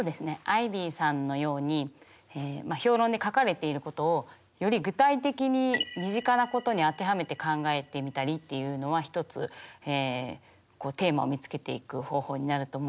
アイビーさんのように評論に書かれていることをより具体的に身近なことに当てはめて考えてみたりっていうのは一つテーマを見つけていく方法になると思います。